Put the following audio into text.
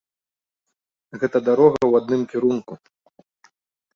Гэта дарога ў адным кірунку.